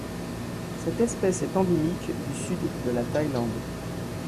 Cette espèce est endémique du sud de la Thaïlande.